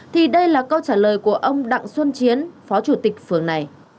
thì đây là câu trả lời của ông đặng xuân chiến phó chủ tịch phường này